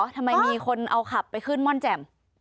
ทำไมมีคนเอาขับไปขึ้นม่อนแจ่ม